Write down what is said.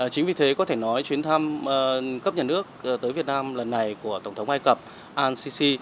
chính vì thế có thể nói chuyến thăm cấp nhà nước tới việt nam lần này của tổng thống ai cập al sisi